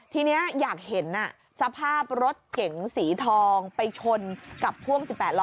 ทีนี้อยากเห็นสภาพรถเก๋งสีทองไปชนกับพ่วง๑๘ล้อ